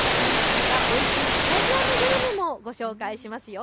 また、おいしいスタジアムグルメもご紹介しますよ。